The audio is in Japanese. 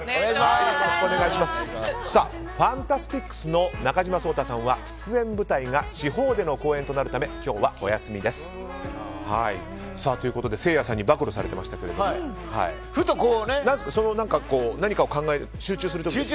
ＦＡＮＴＡＳＴＩＣＳの中島颯太さんは出演舞台が地方での公演となるため今日はお休みです。ということで、せいやさんに暴露されていましたけど何かを集中する時に？